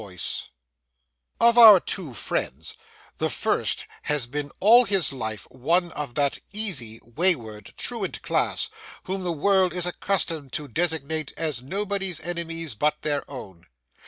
[Picture: The Two Friends] Of our two friends, the first has been all his life one of that easy, wayward, truant class whom the world is accustomed to designate as nobody's enemies but their own.